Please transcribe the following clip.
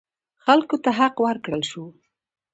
خلکو ته حق ورکړل شو.